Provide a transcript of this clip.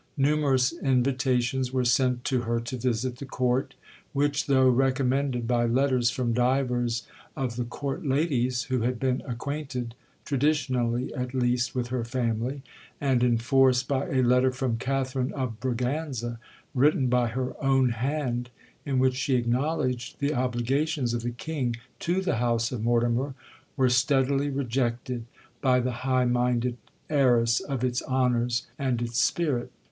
Numerous invitations were sent to her to visit the court, which, though recommended by letters from divers of the court ladies, who had been acquainted, traditionally at least, with her family, and enforced by a letter from Catherine of Braganza, written by her own hand, in which she acknowledged the obligations of the king to the house of Mortimer, were steadily rejected by the high minded heiress of its honours and its spirit.